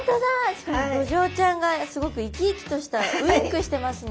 しかもドジョウちゃんがすごく生き生きとしたウインクしてますね。